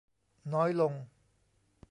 น้อยลง